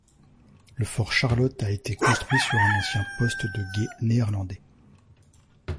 Le Fort Charlotte a été construit sur un ancien poste de guet néerlandais.